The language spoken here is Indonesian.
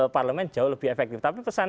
parlemen jauh lebih efektif tapi pesan